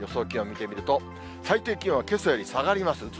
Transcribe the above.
気温見てみると、最低気温はけさより下がります。